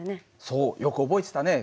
そうよく覚えてたね。